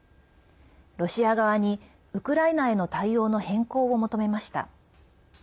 ロシア側にウクライナへの対応の変更を求めました。